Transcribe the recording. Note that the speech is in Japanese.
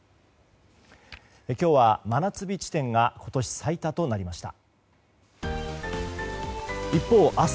今日は、真夏日地点が今年最多となりました。